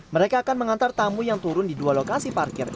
mereka akan mengantar tamu yang turun di dua lokasi parkir